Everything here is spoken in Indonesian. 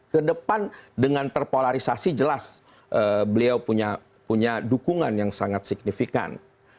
kedepan dengan terpolarisasi jelas beliau punya dukungan yang sangat signifikan